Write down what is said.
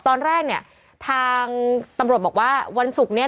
ตอนแรกเนี่ยทางตำรวจบอกว่าวันศุกร์เนี่ย